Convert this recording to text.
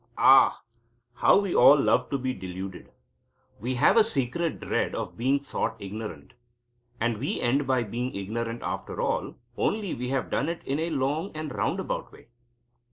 Ah! how we all love to be deluded! We have a secret dread of being thought ignorant. And we end by being ignorant after all, only we have done it in a long and roundabout way.